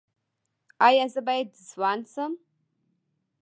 ایا زه باید ځوان شم؟